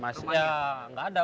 masih ya enggak ada udah